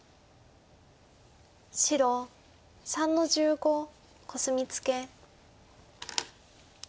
白３の十五コスミツケ。